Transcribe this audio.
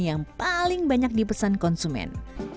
yang paling banyak dipesan konsumen